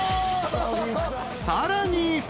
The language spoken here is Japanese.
［さらに］